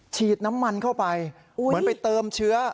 ฉีดน้ำมันเข้าไปเหมือนไปเติมเชื้อ